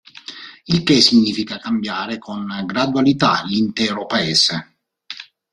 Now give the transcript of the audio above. Il che significa cambiare con gradualità l'intero Paese.